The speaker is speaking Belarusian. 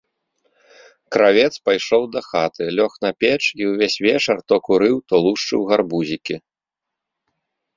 Кравец пайшоў дахаты, лёг на печ і ўвесь вечар то курыў, то лушчыў гарбузікі.